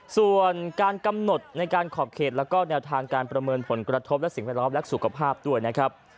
ส่วนการกำหนดในการขอบเขตแล้วก็แนวทางการประเมินผลกระทบและสิ่งแวดล้อมและสุขภาพด้วยนะครับ